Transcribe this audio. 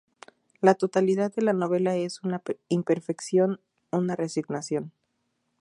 La totalidad de la novela es una imperfección, una resignación.